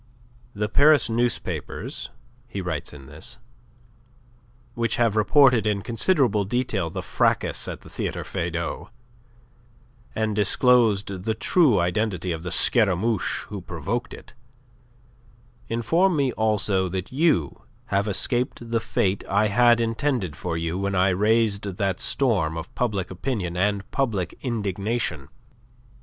"The Paris newspapers," he writes in this, "which have reported in considerable detail the fracas at the Theatre Feydau and disclosed the true identity of the Scaramouche who provoked it, inform me also that you have escaped the fate I had intended for you when I raised that storm of public opinion and public indignation.